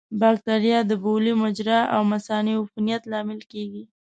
بکتریا د بولي مجرا او مثانې عفونت لامل کېږي.